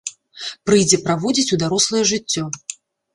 Прыйдзе праводзіць у дарослае жыццё.